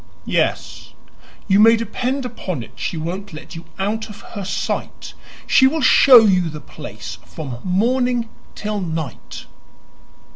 "Yes, you may depend upon it she won't let you out of her sight. She will show you the place from morning till night."